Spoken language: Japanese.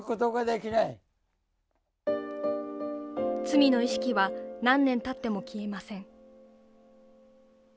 罪の意識は何年たっても消えません。